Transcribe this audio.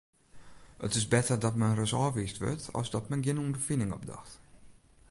It is better dat men ris ôfwiisd wurdt as dat men gjin ûnderfining opdocht.